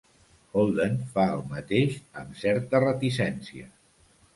Holden fa el mateix amb certa reticència.